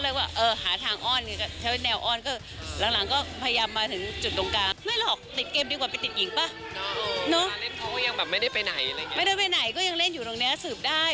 ไม่ได้ไปไหนก็ยังเล่นอยู่ตรงเนี้ยสืบได้